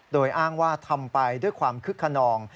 โดยอ้างว่าทำไปด้วยความคึกขนอง